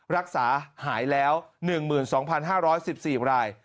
รักษาหายแล้ว๑๒๕๑๔ราย